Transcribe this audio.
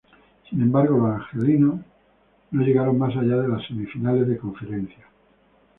Sin embargo, los angelinos no llegaron más allá de las Semifinales de Conferencia.